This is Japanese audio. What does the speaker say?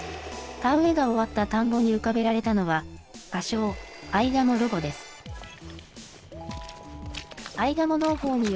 田植えが終わった田んぼに浮かべられたのは、仮称、アイガモロボです。